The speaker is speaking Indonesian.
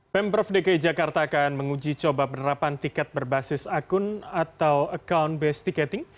pemprov dki jakarta akan menguji coba penerapan tiket berbasis akun atau account based ticketing